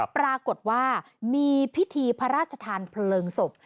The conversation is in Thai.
ปรากฏว่ามีพิธีพระราชทานเพลิงศพ